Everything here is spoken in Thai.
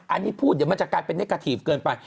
อันนี้พูดเดี๋ยวมันจะกลายเป็นเมกาทีฟเกินไป